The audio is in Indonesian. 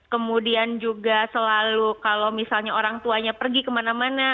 kemudian juga selalu kalau misalnya orang tuanya pergi kemana mana